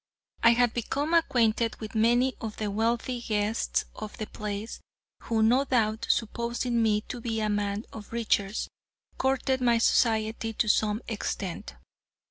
I had become acquainted with many of the wealthy guests of the place, who, no doubt, supposing me to be a man of riches, courted my society to some extent.